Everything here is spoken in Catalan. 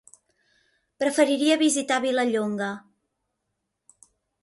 Preferiria visitar Vilallonga.